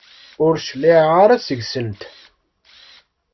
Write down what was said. Ur cliɛeɣ ara seg-sent!